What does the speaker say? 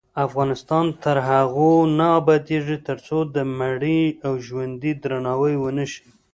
افغانستان تر هغو نه ابادیږي، ترڅو د مړي او ژوندي درناوی ونشي.